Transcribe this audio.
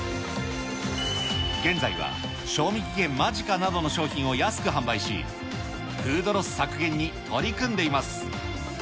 現在は賞味期限間近などの商品を安く販売し、フードロス削減に取り組んでいます。